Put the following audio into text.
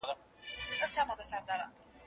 دا له زمان سره جنګیږي ونه